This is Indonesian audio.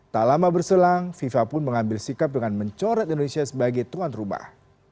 tak lama berselang fifa pun mengambil sikap dengan mencoret indonesia sebagai tuan rumah